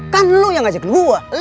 kan lo yang ajakin gue